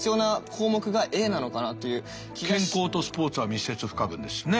健康とスポーツは密接不可分ですしね。